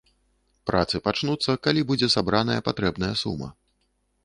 Працы пачнуцца, калі будзе сабраная патрэбная сума.